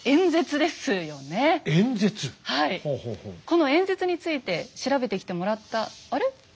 この演説について調べてきてもらったあれ？